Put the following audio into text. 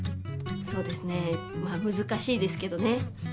そうですねまあむずかしいですけどね。